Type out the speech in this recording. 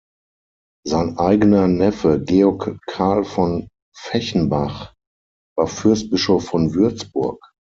Sein eigener Neffe Georg Karl von Fechenbach war Fürstbischof von Würzburg.